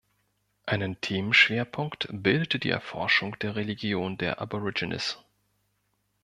Einen Themenschwerpunkt bildete die Erforschung der Religion der Aborigines.